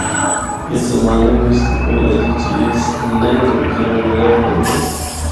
اس زمانے وچ تے کوئی ایہجی چیز نینھ جہیڑ رہ ونجے۔